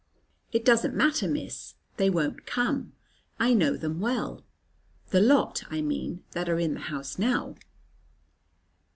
"It doesn't matter, Miss; they won't come. I know them well, the lot I mean that are in the house now."